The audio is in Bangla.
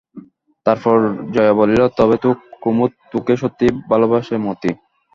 তারপর জয়া বলিল, তবে তো কুমুদ তোকে সত্যিই ভালোবাসে মতি?